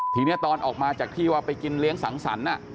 ทีนี้ตอนออกมาจากที่ว่าไปกินเลี้ยงสังสรรค์